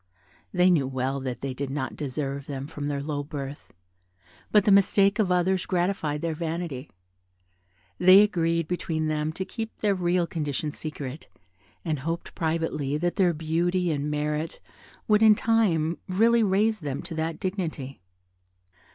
They knew well that they did not deserve them from their low birth; but the mistake of others gratified their vanity. They agreed between them to keep their real condition secret, and hoped privately that their beauty and merit would in time really raise them to that dignity.